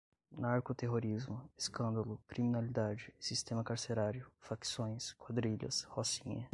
narcoterrorismo, escândalo, criminalidade, sistema carcerário, facções, quadrilhas, rocinha